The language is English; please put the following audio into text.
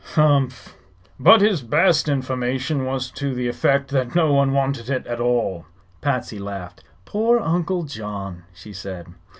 "Humph!" "But his best information was to the effect that no one wanted it at all." Patsy laughed. "Poor Uncle John!" she said.